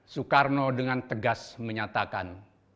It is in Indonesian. soekarno dengan tegas menyatakan